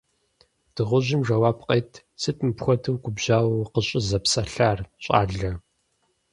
Дыгъужьым жэуап къет: – Сыт мыпхуэдэу губжьауэ укъыщӀызэпсалъэр, щӀалэ.